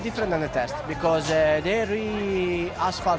karena di sana ada beberapa konek asfalt